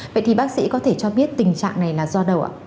vậy thì bác sĩ có thể cho biết tình trạng này là do đâu ạ